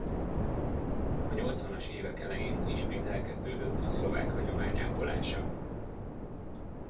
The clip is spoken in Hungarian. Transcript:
A nyolcvanas évek elején ismét elkezdődött a szlovák hagyomány ápolása.